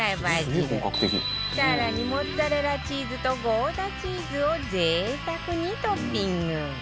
更にモッツァレラチーズとゴーダチーズを贅沢にトッピング